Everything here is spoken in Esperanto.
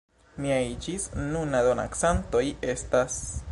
Miaj ĝis nuna donacantoj estas:...